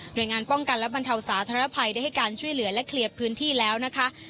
โดยงานป้องกันและบรรเทาสาธารณภัยได้ให้การช่วยเหลือและเคลียร์พื้นที่แล้วนะคะ